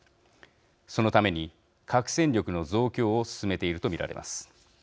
そのために、核戦力の増強を進めていると見られます。